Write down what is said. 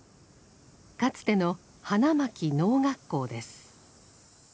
かつての花巻農学校です。